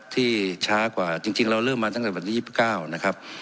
ที่ช้ากว่าจริงเราเริ่มมาตั้งแต่วันที่๒๙นะครับ